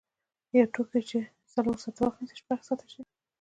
یو توکی چې څلور ساعته وخت نیسي شپږ ساعته شي.